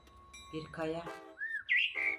Bir kaya…